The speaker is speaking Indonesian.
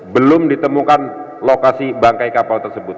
belum ditemukan lokasi bangkai kapal tersebut